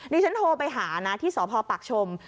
ผมโทรไปหาที่สอปรปักชม